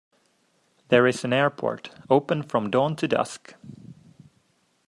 There is an airport, open from dawn to dusk.